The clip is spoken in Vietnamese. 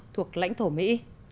thuộc lãnh thổ mỹ